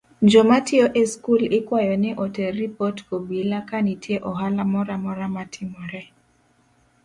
Jomatiyo e skul ikwayo ni oter ripot kobila ka nitie ohala moramora matimore.